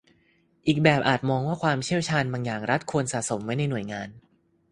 อีกแบบอาจมองว่าความเชี่ยวชาญบางอย่างรัฐควรสะสมไว้ในหน่วยงาน